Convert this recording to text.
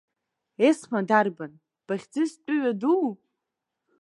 Есма дарбан, баӷь-ӡыс тәыҩадуу?